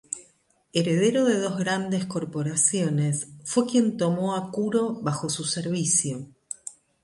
Heredero de dos grandes corporaciones, fue quien tomó a Kuro bajo su servicio.